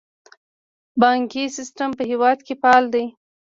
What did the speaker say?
بانکي سیستم په هیواد کې فعال دی